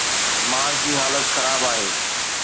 معاشي حالت خراب آهي.